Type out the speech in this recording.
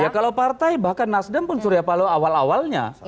ya kalau partai bahkan nasdem pun surya paloh awal awalnya